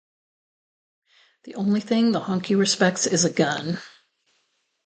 The only thing the honky respects is a gun.